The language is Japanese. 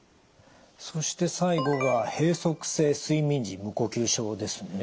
そして最後が閉塞性睡眠時無呼吸症ですね。